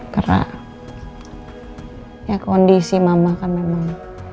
karena ya kondisi mama kan memang